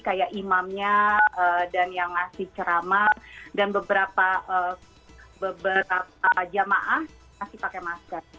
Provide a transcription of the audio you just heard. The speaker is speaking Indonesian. kayak imamnya dan yang ngasih ceramah dan beberapa jamaah masih pakai masker